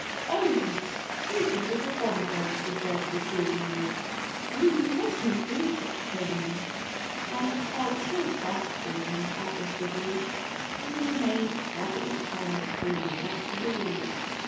"Oh, you stupid little Bumper!" she said, reprovingly. "You mustn't do such things!" Bumper felt so crestfallen at this rebuke that he remained perfectly quiet during the rest of the walk.